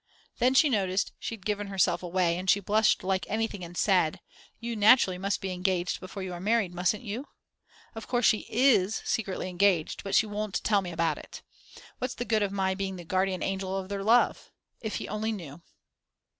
Then she noticed she'd given herself away, and she blushed like anything and said: You naturally must be engaged before you are married, mustn't you? of course she is secretly engaged, but she won't tell me about it. What's the good of my being the "Guardian Angel of their Love?" If he only knew.